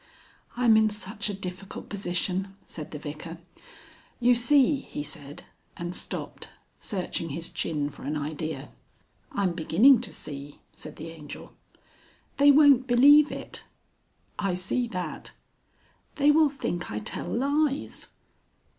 "I'm in such a difficult position," said the Vicar. "You see," he said, and stopped, searching his chin for an idea. "I'm beginning to see," said the Angel. "They won't believe it." "I see that." "They will think I tell lies."